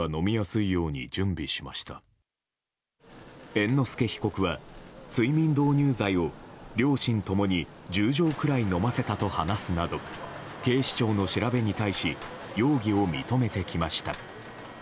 猿之助被告は睡眠導入剤を両親共に１０錠くらい飲ませたと話すなど警視庁の調べに対し容疑を認めてきました。